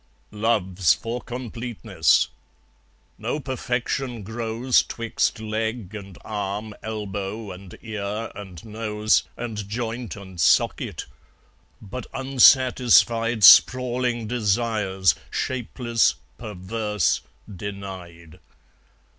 Love's for completeness! No perfection grows 'Twixt leg, and arm, elbow, and ear, and nose, And joint, and socket; but unsatisfied Sprawling desires, shapeless, perverse, denied.